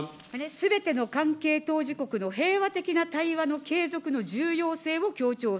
すべての関係当事国の平和的な対話の継続の重要性を強調。